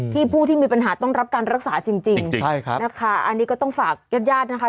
ที่ผู้ที่มีปัญหาต้องรับการรักษาจริงนะคะอันนี้ก็ต้องฝากญาตินะคะ